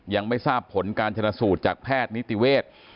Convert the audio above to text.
ยังไม่ทราบผลการชนะสูตรจากแพทย์นิติเวทย์